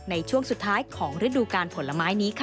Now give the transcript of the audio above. ในช่วงสุดท้ายของฤดูการผลไม้นี้ค่ะ